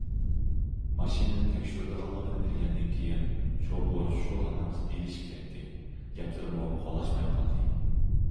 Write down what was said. ماشىنىنى تەكشۈرىدىغانلىقىنى بىلگەندىن كېيىن، شوپۇر شۇ ھامان جىددىيلىشىپ كەتتى، گەپلىرىمۇ قولاشماي قالدى.